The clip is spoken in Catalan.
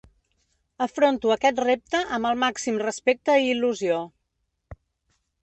Afronto aquest repte amb el màxim respecte i il·lusió.